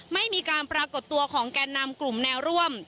ไม่มีการปรากฏตัวของแก่นำกลุ่มแนวร่วม